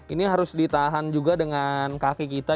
ini harus ditahan juga dengan kaki kita